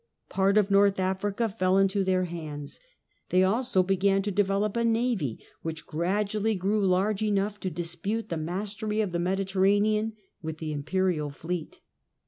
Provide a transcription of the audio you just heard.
Part of North Africa fell into their hands. They also began to develop a navy which gradually grew large enough to dispute the mastery of the Mediterranean with the Imperial fleet.